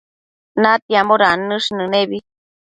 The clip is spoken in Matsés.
natiambo dannësh nënebi